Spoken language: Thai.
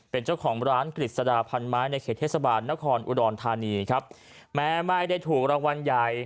เป็นเจ้าของร้านกฤษฎาพันไม้ในเขตเทศบาลนครอุดรธานีครับแม้ไม่ได้ถูกรางวัลใหญ่